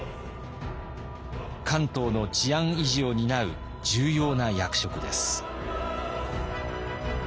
関東の治安維持を担う重要な役職です。